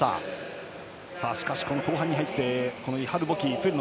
しかし後半に入ってもイハル・ボキ。